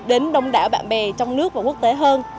đến đông đảo bạn bè trong nước và quốc tế hơn